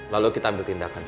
lalu kita ambil tindakan